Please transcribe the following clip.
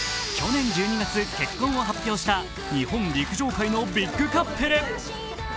去年１２月、結婚を発表した日本陸上界のビッグカップル。